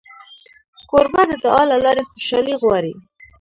کوربه د دعا له لارې خوشالي غواړي.